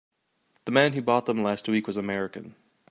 The man who bought them last week was American.